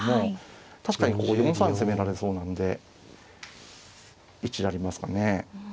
確かにこう４三攻められそうなんで一理ありますかね。